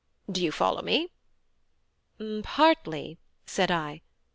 Do you follow me?" "Partly," said I.